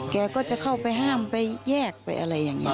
แกก็จะเข้าไปห้ามไปแยกไปอะไรอย่างนี้